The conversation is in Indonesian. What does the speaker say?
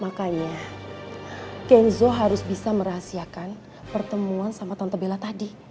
makanya kenzo harus bisa merahasiakan pertemuan sama tante bela tadi